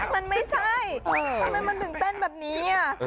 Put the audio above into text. มันไม่ใช่ทำไมมันถึงเต้นแบบนี้